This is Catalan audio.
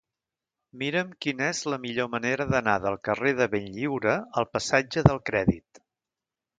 Mira'm quina és la millor manera d'anar del carrer de Benlliure al passatge del Crèdit.